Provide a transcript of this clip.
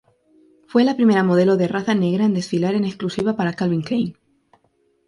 Fue la primera modelo de raza negra en desfilar en exclusiva para Calvin Klein.